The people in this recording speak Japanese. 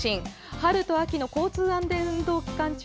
春と秋の交通安全運動期間